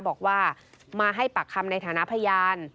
บอกว่ามาให้ปากคำในฐานะพยาน